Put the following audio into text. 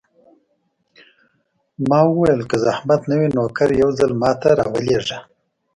ما وویل: که زحمت نه وي، نوکر یو ځل ما ته راولېږه.